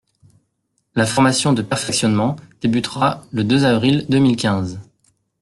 La formation de perfectionnement débutera le deux avril deux mille quinze.